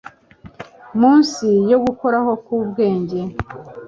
Munsi yo gukoraho kwubwenge